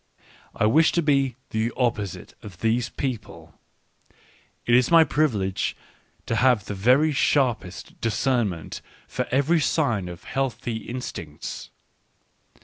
... ^wish to be the opposite of these people : it is my privilege to have the very sharpest discernment for every sign of healthy in stincts.